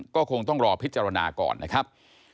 ก็คงต้องรอพิจารณาก่อนนะครับ